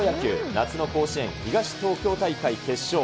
夏の甲子園東東京大会決勝。